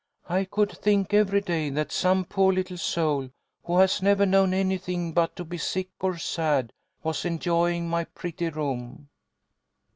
I could think every day that some poor little soul who has never known anything but to be sick or sad was enjoying my pretty room."